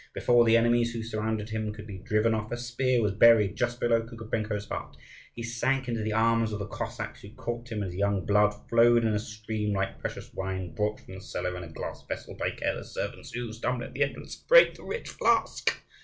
Before the enemies who surrounded him could be driven off, a spear was buried just below Kukubenko's heart. He sank into the arms of the Cossacks who caught him, and his young blood flowed in a stream, like precious wine brought from the cellar in a glass vessel by careless servants, who, stumbling at the entrance, break the rich flask.